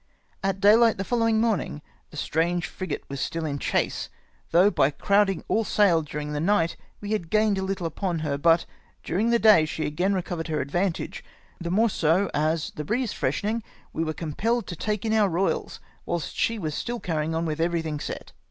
At dayhght the following morning the strange frigate w^as still in chase, though by crowding all sail during the night we had gamed a httle upon her ; but during the day she again recovered her advantage, the more so as the breeze freshening, we were compelled to take in our royals, wliilst she was still carrying on with every thmg set.